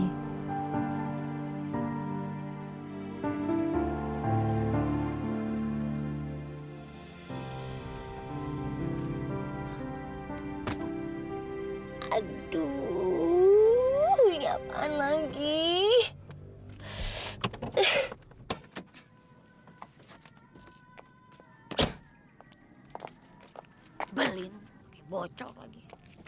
sampai aku dapatkan kamu lagi